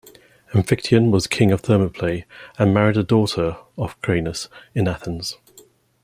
Amphictyon was king of Thermopylae and married a daughter of Cranaus of Athens.